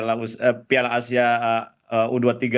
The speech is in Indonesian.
mbak audrey kalau misalkan kita melihat kemeriahan penonton di indonesia